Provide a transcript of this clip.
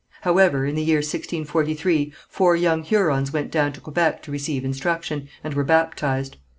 However, in the year 1643 four young Hurons went down to Quebec to receive instruction, and were baptized.